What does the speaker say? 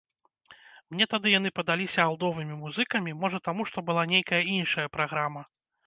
Мне тады яны падаліся алдовымі музыкамі, можа таму, што была нейкая іншая праграма.